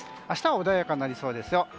明日は穏やかになりそうですよ。